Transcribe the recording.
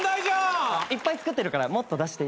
いっぱい作ってるからもっと出していい？